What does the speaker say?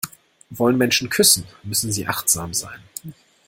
Wollen Menschen küssen, müssen sie achtsam sein.